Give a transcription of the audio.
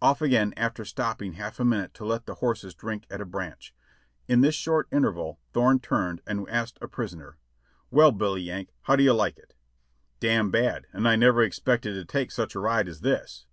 Off again after stopping half a minute to let the horses drink at a branch. In this short interval Thorne turned and asked a prisoner, "Well, Billy Yank, how do you like it?" "Damn bad; I never expected to take such a ride as this."